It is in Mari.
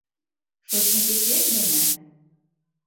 Шочмо кечет дене!